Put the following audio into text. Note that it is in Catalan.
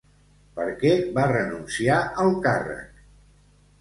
Per què va renunciar al càrrec?